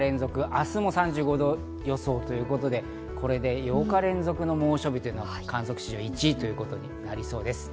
明日も３５度予想ということで、これで８日連続の猛暑日、観測史上１位ということになりそうです。